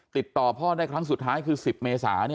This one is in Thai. ติดต่อพ่อได้ครั้งสุดท้ายคือ๑๐เมษา